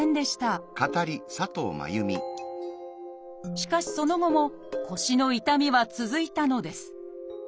しかしその後も腰の痛みは続いたのです。